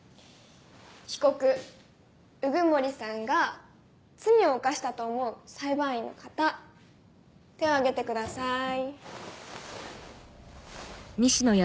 被告鵜久森さんが罪を犯したと思う裁判員の方手を挙げてください。